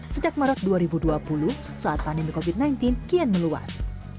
sejak maret dua ribu dua puluh saat pandemi covid sembilan belas kian meluas